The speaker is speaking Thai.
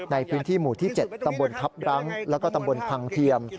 ในพื้นที่หมู่ที่๗ตำบลทัพรั้งแล้วก็ตำบลพังเทียม